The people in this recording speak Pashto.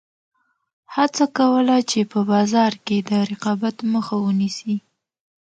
هڅه کوله چې په بازار کې د رقابت مخه ونیسي.